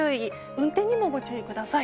運転にもご注意ください。